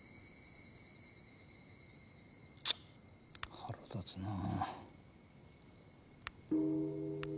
腹立つなあ。